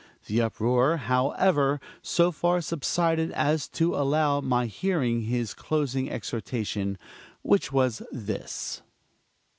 The uproar, however, so far subsided as to allow my hearing his closing exhortation, which was this